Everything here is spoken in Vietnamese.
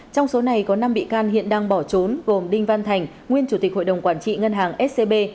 trong số này có năm bị can hiện đang bỏ trốn gồm đinh văn thành nguyên chủ tịch hội đồng quản trị ngân hàng scb